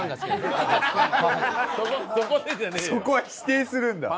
そこは否定するんだ。